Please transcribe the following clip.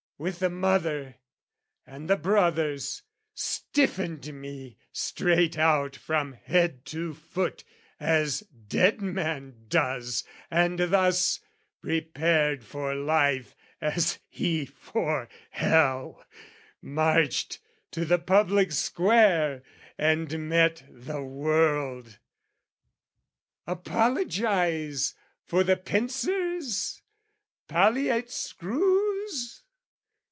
With the mother and the brothers, stiffened me Strait out from head to foot as dead man does, And, thus prepared for life as he for hell, Marched to the public Square and met the world. Apologise for the pincers, palliate screws?